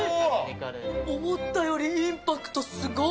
思ったよりインパクトすご！